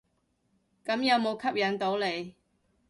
咁有無吸引到你？